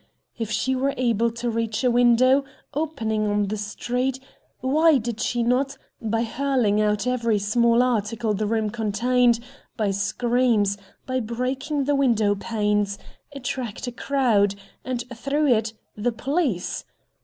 If she were able to reach a window, opening on the street, why did she not call for help? Why did she not, by hurling out every small article the room contained, by screams, by breaking the window panes, attract a crowd, and, through it, the police?